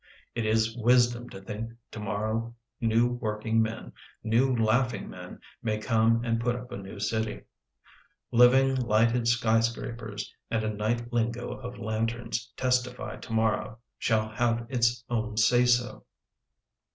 It is wisdom to think to morrow new working men, new laughing men, may come and put up a new city — Living lighted skyscrapers and a night lingo of lanterns testify to morrow shall have its own say so.